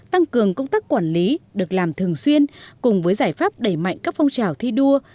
tăng cường công tác quản lý được làm thường xuyên cùng với giải pháp đẩy mạnh các phong trào thi đua